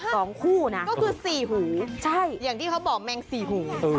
ก็คือสี่หูอย่างที่เขาบอกแมงสี่หู